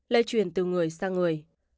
lây truyền từ người sang người